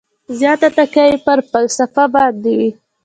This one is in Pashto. زیاته تکیه یې پر فلسفه باندې وي.